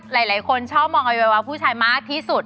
หลายคนชอบมองอวัยวะผู้ชายมากที่สุด